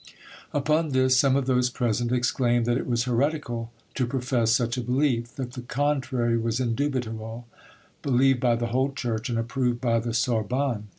"Upon this, some of those present exclaimed that it was heretical to profess such a belief; that the contrary was indubitable, believed by the whole Church and approved by the Sorbonne.